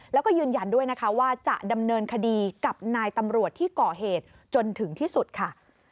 แล้วก็ยืนยันด้วยนะคะว่าจะดำเนินคดีกับนายตำรวจที่ก่อเหตุจนถึงที่สุดค่ะ